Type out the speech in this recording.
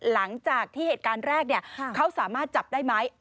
หลังจากที่เหตุการณ์แรกเขาสามารถจับได้ไหม